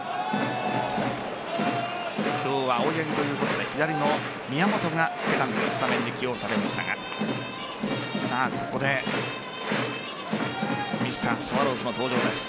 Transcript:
今日は青柳ということで左の宮本がセカンドでスタメンで起用されましたがここでミスタースワローズの登場です。